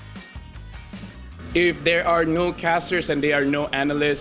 jika tidak ada pengetahuan dan analis